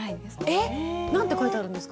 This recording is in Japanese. えっ何て書いてあるんですか？